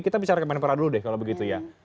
kita bicara kemenpora dulu deh kalau begitu ya